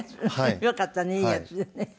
よかったねいいヤツでね。